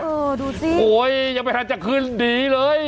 ดูสิโอ้ยยังไม่ทันจะขึ้นหนีเลย